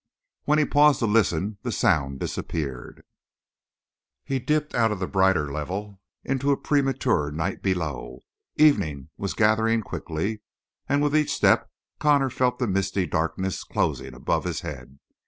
When he paused to listen the sound disappeared. He dipped out of the brighter level into a premature night below; evening was gathering quickly, and with each step Connor felt the misty darkness closing above his head.